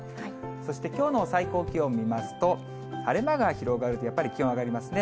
そしてきょうの最高気温見ますと、晴れ間が広がると、やっぱり気温が上がりますね。